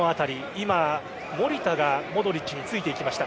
今、守田がモドリッチについていきました。